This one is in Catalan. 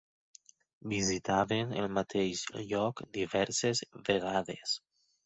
Visitaven el mateix lloc diverses vegades.